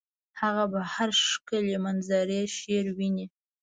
هغه په هر ښکلي منظر کې شعر ویني